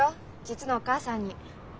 実のお母さんに。